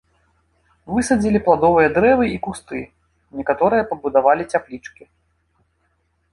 Высадзілі пладовыя дрэвы і кусты, некаторыя пабудавалі цяплічкі.